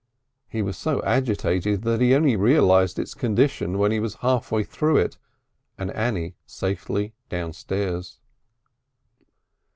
He was so agitated that he only realised its condition when he was half way through it and Annie safely downstairs.